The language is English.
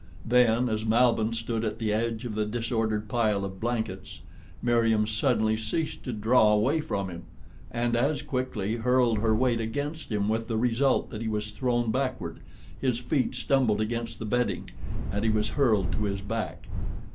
Then, as Malbihn stood at the edge of the disordered pile of blankets, Meriem suddenly ceased to draw away from him, and as quickly hurled her weight against him with the result that he was thrown backward, his feet stumbled against the bedding and he was hurled to his back.